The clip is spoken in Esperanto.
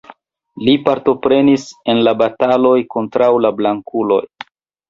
Li partoprenis en la bataloj kontraŭ la blankuloj.